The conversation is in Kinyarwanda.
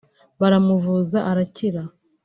baramuvuza arakira